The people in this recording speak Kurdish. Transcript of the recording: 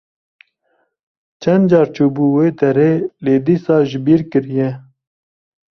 Çend car çûbû wê derê, lê dîsa ji bîr kiriye.